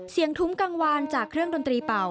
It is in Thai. ทุ้มกลางวานจากเครื่องดนตรีเป่า